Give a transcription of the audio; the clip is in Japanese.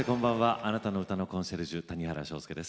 あなたの歌のコンシェルジュ谷原章介です。